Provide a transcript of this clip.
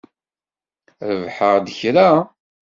Rebḥeɣ-d kra?